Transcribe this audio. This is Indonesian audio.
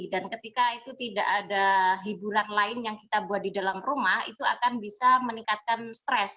dan ketika itu tidak ada hiburan lain yang kita buat di dalam rumah itu akan bisa meningkatkan stres